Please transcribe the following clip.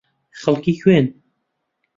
خەڵکی کوێن؟